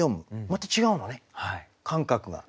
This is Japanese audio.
また違うのね感覚が。